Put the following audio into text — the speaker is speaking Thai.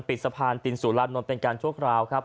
ปิดสะพานตินน์สู้ลานนนท์เป็นการทั่วคราว